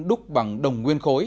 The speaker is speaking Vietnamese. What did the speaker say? đúc bằng đồng nguyên khối